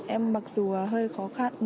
em mặc dù hơi khó khăn